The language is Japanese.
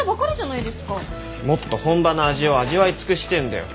もっと本場の味を味わい尽くしてえんだよ。